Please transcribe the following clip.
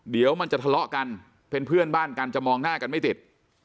เดี๋ยวมันจะทะเลาะกันเป็นเพื่อนบ้านกันจะมองหน้ากันไม่ติด